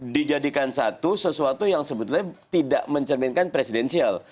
dijadikan satu sesuatu yang sebetulnya tidak mencerminkan presidensial